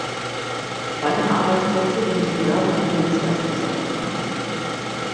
Weitere Arbeitsplätze sind im Gewerbe und im Dienstleistungssektor vorhanden.